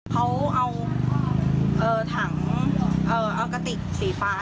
เขาเอาถังออกกาติกสีฟ้า